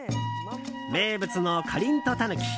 名物の、かりんとたぬき。